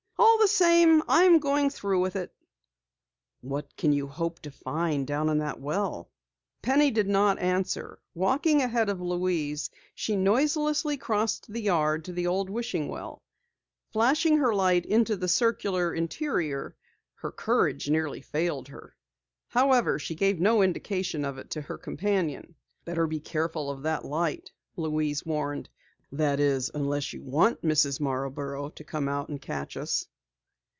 "All the same, I'm going through with it!" "What can you hope to find down in that well?" Penny did not answer. Walking ahead of Louise, she noiselessly crossed the yard to the old wishing well. Flashing her light into the circular interior, her courage nearly failed her. However, she gave no indication of it to her companion. "Better be careful of that light," Louise warned. "That is, unless you want Mrs. Marborough to come out and catch us."